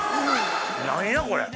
何やこれ！